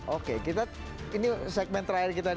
oke kita ini segmen terakhir kita